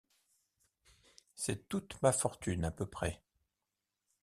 C’est toute ma fortune à peu près.